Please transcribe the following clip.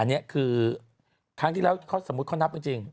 อันนี้คือครั้งที่แล้วเขาสมมุติเขานับจริง